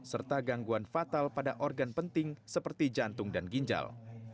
serta gangguan fatal pada organ penting seperti jantung dan ginjal